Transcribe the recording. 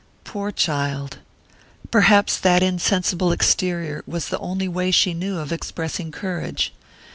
Poor child! Perhaps that insensible exterior was the only way she knew of expressing courage!